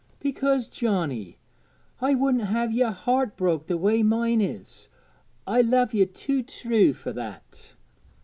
'Because, Johnnie, I wouldn't ha' yer heart broke the way mine is. I loved ye too true for that.'